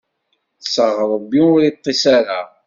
Ṭṭseɣ, Ṛebbi ur iṭṭis ara.